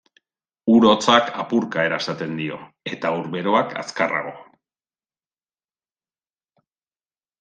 Ur hotzak apurka erasaten dio, eta ur beroak azkarrago.